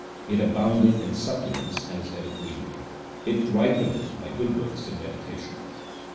It aboundeth in succulence and is ever green ; it ripeneth by good works and meditation.